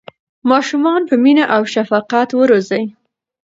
ماشومان په مینه او شفقت وروځئ.